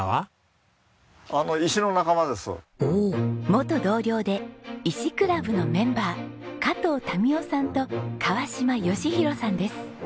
元同僚で石クラブのメンバー加藤民男さんと川島芳廣さんです。